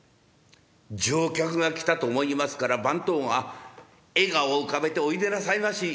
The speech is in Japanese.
上客が来たと思いますから番頭が笑顔を浮かべて「おいでなさいまし。